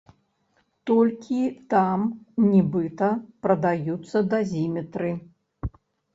Толькі там нібыта прадаюцца дазіметры.